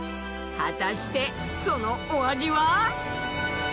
果たしてそのお味は？